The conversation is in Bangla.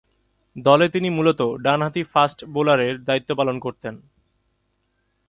দলে তিনি মূলতঃ ডানহাতি ফাস্ট বোলারের দায়িত্ব পালন করতেন।